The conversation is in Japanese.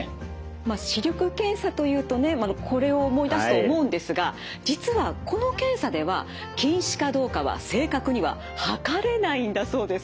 まあ視力検査というとねこれを思い出すと思うんですが実はこの検査では近視かどうかは正確には測れないんだそうです。